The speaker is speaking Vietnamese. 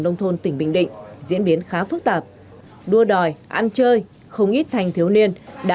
nông thôn tỉnh bình định diễn biến khá phức tạp đua đòi ăn chơi không ít thanh thiếu niên đã